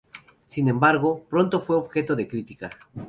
Sin embargo pronto fue objeto de crítica.